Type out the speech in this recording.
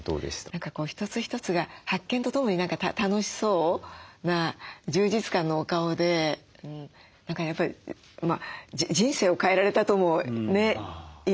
一つ一つが発見とともに楽しそうな充実感のお顔で何かやっぱり人生を変えられたともね言っていいと。